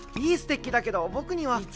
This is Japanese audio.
いいステッキだけど僕には。